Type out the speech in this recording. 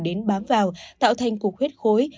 đến bám vào tạo thành cục huyết khối